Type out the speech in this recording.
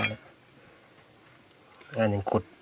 งานอย่างขุด